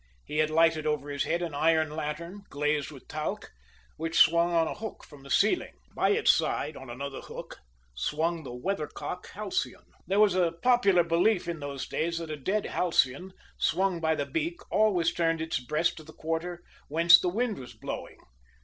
He had lighted over his head an iron lantern, glazed with talc, which swung on a hook from the ceiling. By its side, on another hook, swung the weather cock halcyon. There was a popular belief in those days that a dead halcyon, hung by the beak, always turned its breast to the quarter whence the wind was blowing.